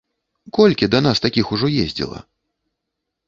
Колькі да нас такіх ужо ездзіла?